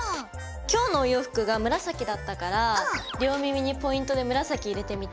今日のお洋服が紫だったから両耳にポイントで紫入れてみた。